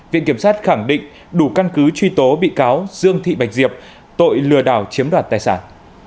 viện kiểm sát khẳng định đủ căn cứ truy tố bị cáo dương thị bạch diệp tội lừa đảo chiếm đoạt tài sản